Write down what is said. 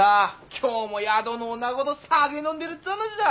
今日も宿のおなごと酒飲んでるっつう話だ。